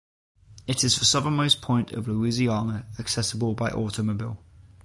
It is the southernmost point of Louisiana accessible by automobile.